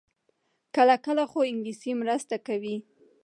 کله کله، خو انګلیسي مرسته کوي